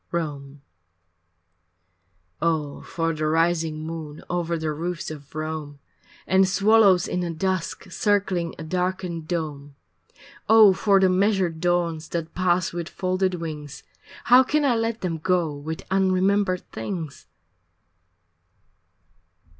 VII Rome Oh for the rising moon Over the roofs of Rome, And swallows in the dusk Circling a darkened dome! Oh for the measured dawns That pass with folded wings How can I let them go With unremembered things?